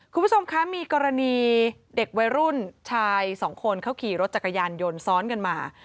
คุณผู้ชมคะมีกรณีเด็กวัยรุ่นชายสองคนเขาขี่รถจักรยานยนต์ซ้อนกันมา